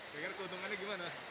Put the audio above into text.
seenggaknya keuntungannya gimana